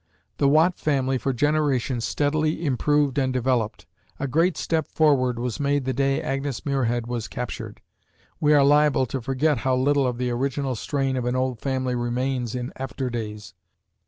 The Watt family for generations steadily improved and developed. A great step upward was made the day Agnes Muirhead was captured. We are liable to forget how little of the original strain of an old family remains in after days.